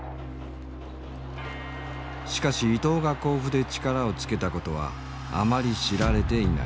しかし伊東が甲府で力をつけたことはあまり知られていない。